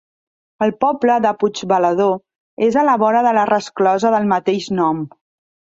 El poble de Puigbalador és a la vora de la resclosa del mateix nom.